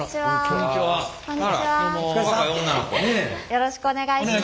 よろしくお願いします。